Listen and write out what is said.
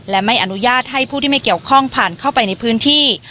และไม่อนุญาตให้ผู้ที่ไม่เกี่ยวข้องผ่านเข้าไปในพื้นที่